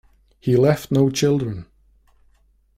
He left no children.